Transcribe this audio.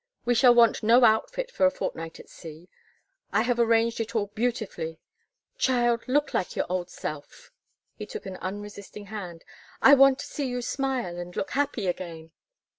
We shall want no outfit for a fortnight at sea. I have arranged it all beautifully. Child, look like your old self." He took an unresisting hand. "I want to see you smile and look happy again."